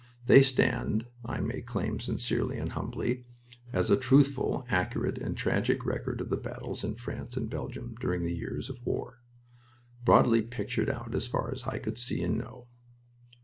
They stand, I may claim sincerely and humbly, as a truthful, accurate, and tragic record of the battles in France and Belgium during the years of war, broadly pictured out as far as I could see and know.